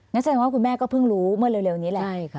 นั่นแสดงว่าคุณแม่ก็เพิ่งรู้เมื่อเร็วนี้แหละ